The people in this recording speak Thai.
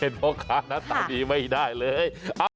เห็นพ่อค้าน่ะตามนี้ไม่ได้เลย